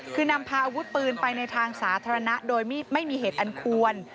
คือนำพาอาวุธปืนไปในทางสาธารณะโดยไม่มีเหตุอันควร